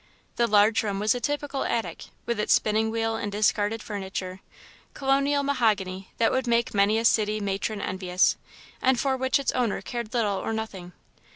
The large room was a typical attic, with its spinning wheel and discarded furniture colonial mahogany that would make many a city matron envious, and for which its owner cared little or nothing.